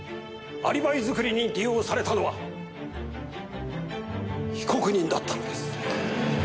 アリバイ作りに利用されたのは被告人だったのです。